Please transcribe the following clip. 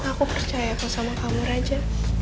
aku percaya sama kamu raja